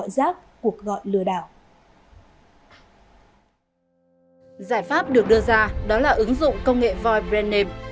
giải pháp được đưa ra đó là ứng dụng công nghệ void brand name